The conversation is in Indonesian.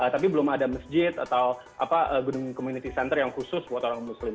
tapi belum ada masjid atau gunung community center yang khusus buat orang muslim